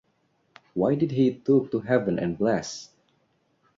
Why did He look to heaven and bless?